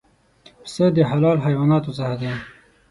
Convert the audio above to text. پسه د حلال حیواناتو څخه دی.